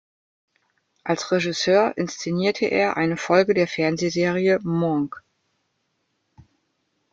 Als Regisseur inszenierte er eine Folge der Fernsehserie "Monk".